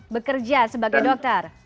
bekerja sebagai dokter